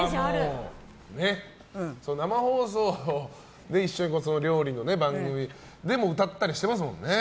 生放送で一緒に料理の番組をやってて歌ったりしていますもんね。